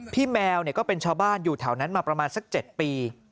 แมวก็เป็นชาวบ้านอยู่แถวนั้นมาประมาณสัก๗ปี